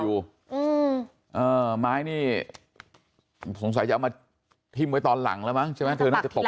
อืมเออไม้นี่สงสัยจะเอามาพิมพ์ไว้ต่อหลังแล้วใช่ไหมเธอน่าจะปกไปก่อน